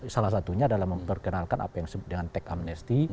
salah satunya adalah memperkenalkan apa yang disebut dengan tech amnesty